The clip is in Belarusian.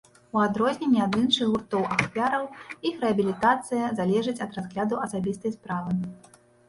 У адрозненне ад іншых гуртоў-ахвяраў, іх рэабілітацыя залежыць ад разгляду асабістай справы.